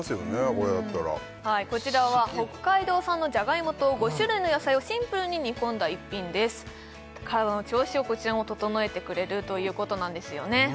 これだったらこちらは北海道産のじゃがいもと５種類の野菜をシンプルに煮込んだ一品です体の調子をこちらも整えてくれるということなんですよね